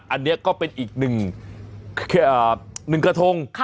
อันนี้ก็เป็นอีกหนึ่งกระทง